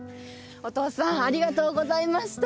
お父さんありがとうございました。